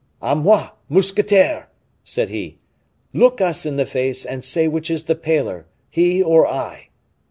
"A moi! mousquetaire!" said he. "Look us in the face and say which is the paler, he or I!"